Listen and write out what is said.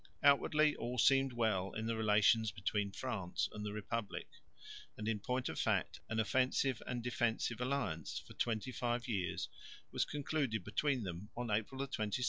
Outwardly all seemed well in the relations between France and the republic, and in point of fact an offensive and defensive alliance for twenty five years was concluded between them on April 27,1662.